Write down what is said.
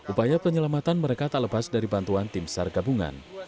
upaya penyelamatan mereka tak lepas dari bantuan tim sergabungan